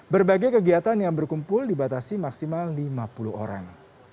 berbagai kegiatan yang berkumpul dibatasi maksimal lima puluh orang